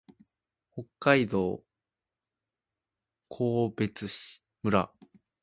北海道更別村